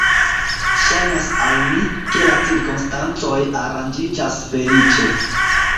Ŝajnas al mi, ke la cirkonstancoj aranĝiĝas feliĉe.